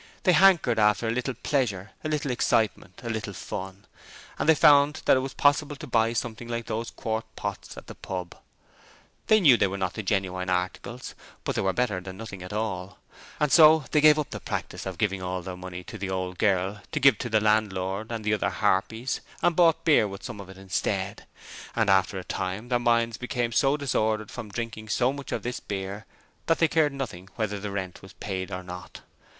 They hankered after a little pleasure, a little excitement, a little fun, and they found that it was possible to buy something like those in quart pots at the pub. They knew they were not the genuine articles, but they were better than nothing at all, and so they gave up the practice of giving all their money to the old girl to give to the landlord and the other harpies, and bought beer with some of it instead; and after a time their minds became so disordered from drinking so much of this beer, that they cared nothing whether the rent was paid or not.